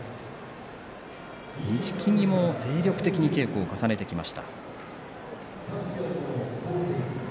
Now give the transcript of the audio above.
錦木も精力的に稽古を重ねてきました。